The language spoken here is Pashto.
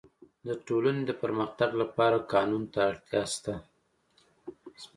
د ټولني د پرمختګ لپاره قانون ته اړتیا سته.